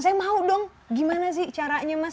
saya mau dong gimana sih caranya mas